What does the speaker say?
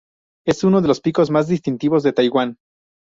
Es uno de los picos más distintivos de Taiwán.